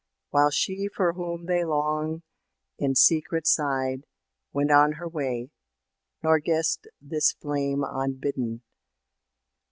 While she for whom they long in secret sighed, Went on her way, nor guessed this flame unbidden.